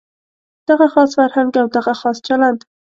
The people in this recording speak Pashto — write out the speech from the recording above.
دغه خاص فرهنګ او دغه خاص چلند.